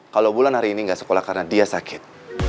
kalau wulan hari ini gak sekolah karena dia sakit